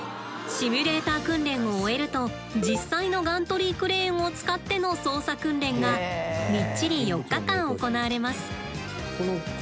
シミュレーター訓練を終えると実際のガントリークレーンを使っての操作訓練がみっちり４日間行われます。